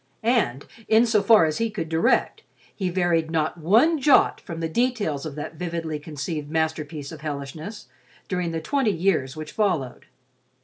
And, in so far as he could direct, he varied not one jot from the details of that vividly conceived masterpiece of hellishness during the twenty years which followed.